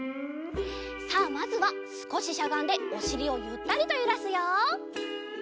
さあまずはすこししゃがんでおしりをゆったりとゆらすよ。